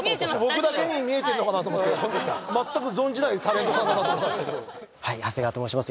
僕だけに見えてんのかなあと思って全く存じないタレントさんだなと思ってたんですけど長谷川と申します